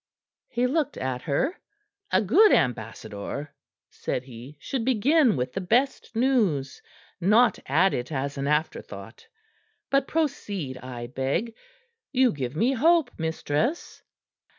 He looked at her. "A good ambassador," said he, "should begin with the best news; not add it as an afterthought. But proceed, I beg. You give me hope, mistress."